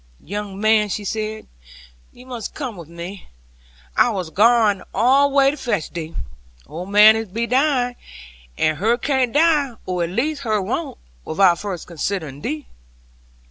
'Young man,' she said, 'you must come with me. I was gwain' all the way to fetch thee. Old man be dying; and her can't die, or at least her won't, without first considering thee.'